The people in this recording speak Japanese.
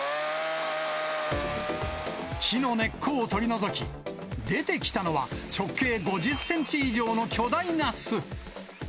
木の根っこを取り除き、出てきたのは、直径５０センチ以上の巨大な巣。